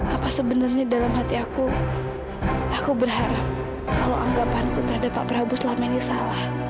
apa sebenarnya dalam hati aku aku berharap kalau anggapanku terhadap pak prabowo selama ini salah